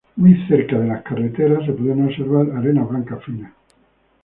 Muy cerca a las carreteras se pueden observar Arenas Blancas Finas.